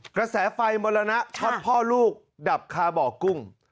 กระแสไฟหมดแล้วนะพ่อลูกดับคาเบาะกุ้ง